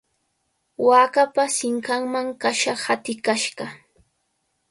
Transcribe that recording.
Waakapa sinqanman kasha hatikashqa.